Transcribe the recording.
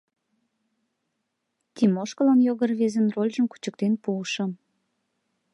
Тимошкалан його рвезын рольжым кучыктен пуышым.